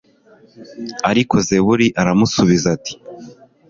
ariko zebuli aramusubiza ati